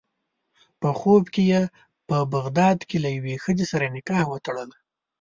په خوب کې یې په بغداد کې له یوې ښځې سره نکاح وتړله.